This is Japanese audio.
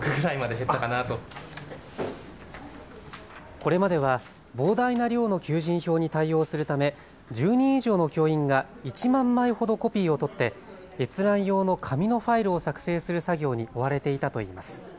これまでは膨大な量の求人票に対応するため１０人以上の教員が１万枚ほどコピーを取って閲覧用の紙のファイルを作成する作業に追われていたといいます。